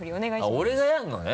俺がやるのね？